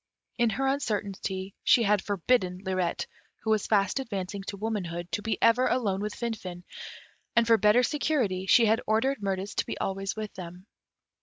In her uncertainty, she had forbidden Lirette, who was fast advancing to womanhood, to be ever alone with Finfin, and for better security she had ordered Mirtis to be always with them.